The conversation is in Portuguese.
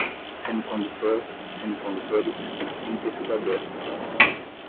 semicondutor, semicondutores, centrifugadora